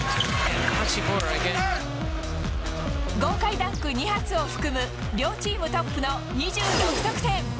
豪快ダンク２発を含む、両チームトップの２６得点。